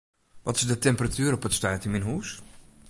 Wat is de temperatuer op it stuit yn myn hûs?